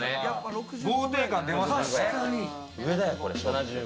豪邸感が出ますよね。